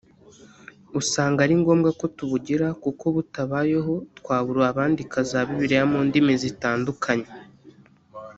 usanga ari ngombwa ko tubugira kuko butabayeho twabura abandika za bibiliya mu ndimi zitandukanye